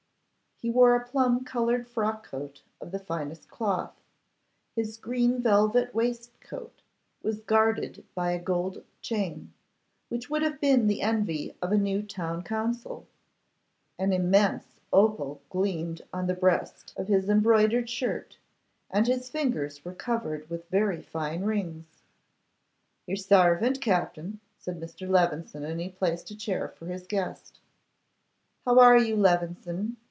He wore a plum colored frock coat of the finest cloth; his green velvet waistcoat was guarded by a gold chain, which would have been the envy of a new town council; an immense opal gleamed on the breast of his embroidered shirt; and his fingers were covered with very fine rings. 'Your sarvant, Captin,' said Mr. Levison, and he placed a chair for his guest. 'How are you, Levison?